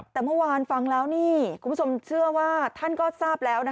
แต่เมื่อวานฟังแล้วนี่คุณผู้ชมเชื่อว่าท่านก็ทราบแล้ว